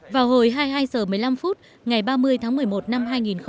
vào hồi hai mươi hai h một mươi năm phút ngày ba mươi tháng một mươi một năm hai nghìn một mươi chín